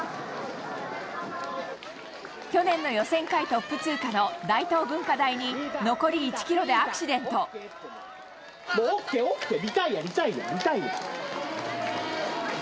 去年の予選会トップ通過の大東文化大に、残り１キロでアクシデンもうＯＫ、ＯＫ、リタイア、リタイア、リタイア。